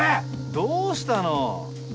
どうしたの？